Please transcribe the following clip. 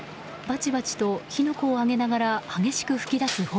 バチバチと火の粉を上げながら激しく噴き出す炎。